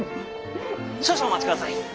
少々お待ち下さい。